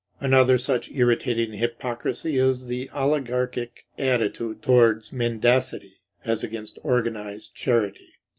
Another such irritating hypocrisy is the oligarchic attitude towards mendicity as against organized charity.